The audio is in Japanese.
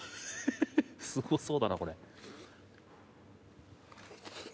すごそうだなこれ。